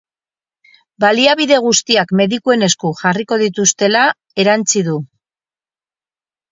Baliabide guztiak medikuen esku jarriko dituztela erantsi du.